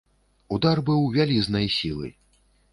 Удар быў вялізнай сілы.